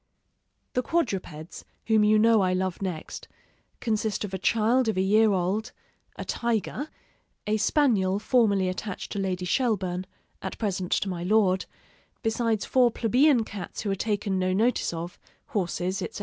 The quadrupeds, whom you know I love next, consist of a child of a year old, a tiger, a spaniel formerly attached to Lady Shelburne at present to my Lord besides four plebeian cats who are taken no notice of, horses, etc.